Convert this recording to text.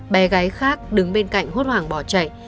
bé gái khác đứng bên cạnh hốt hoảng bỏ chạy